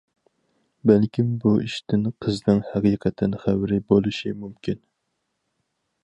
بەلكىم بۇ ئىشتىن قىزنىڭ ھەقىقەتەن خەۋىرى بولۇشى مۇمكىن.